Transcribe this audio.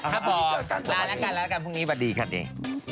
ครับบอกลาละกันพรุ่งนี้บาดดีครับนี่